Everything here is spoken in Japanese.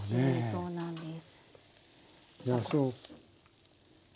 そうなんです。